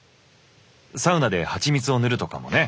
サウナではちみつを塗るとかもね。